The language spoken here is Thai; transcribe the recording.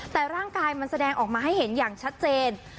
แต่ร่างกายมันแสดงออกมาให้เห็นอย่างชัดเจน